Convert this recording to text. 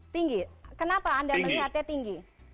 tinggi kenapa anda melihatnya tinggi